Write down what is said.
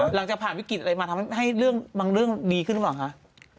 หลังจากผ่านวิกฤตอะไรมาทำให้เรื่องบางเรื่องดีขึ้นหรือเปล่าคะ